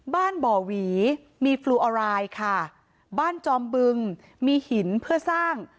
บ่อหวีมีฟลูออรายค่ะบ้านจอมบึงมีหินเพื่อสร้าง